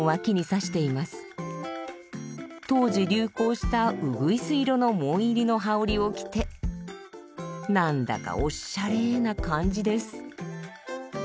当時流行したうぐいす色の紋入りの羽織を着てなんだかオッシャレーな感じです。